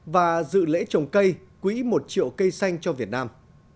và dự lễ trồng cây quỹ một triệu cây xanh cho việt nam